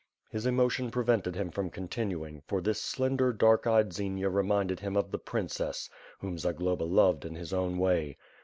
His emotion prevented him from continuing, for this slender dark eyed Xenia reminded him of the princess whom Zagloba loved in his own way.